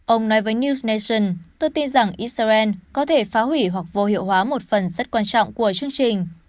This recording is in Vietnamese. ông nói với new snation tôi tin rằng israel có thể phá hủy hoặc vô hiệu hóa một phần rất quan trọng của chương trình